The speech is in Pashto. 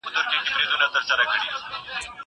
زه به اوږده موده ليکنه کړې وم!؟